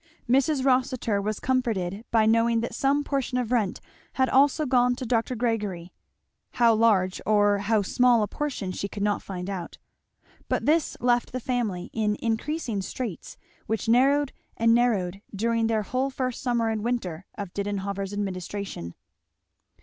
Mrs. Rossitur was comforted by knowing that some portion of rent had also gone to Dr. Gregory how large or how small a portion she could not find out. But this left the family in increasing straits, which narrowed and narrowed during the whole first summer and winter of Didenhover's administration.